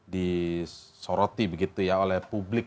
disoroti begitu ya oleh publik